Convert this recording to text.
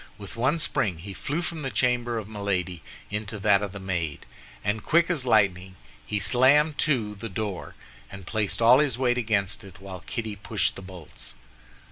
With one spring he flew from the chamber of Milady into that of the maid, and quick as lightning, he slammed to the door, and placed all his weight against it, while Kitty pushed the bolts.